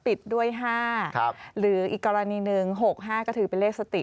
ปิดด้วย๕หรืออีกกรณีหนึ่ง๖๕ก็ถือเป็นเลขสติ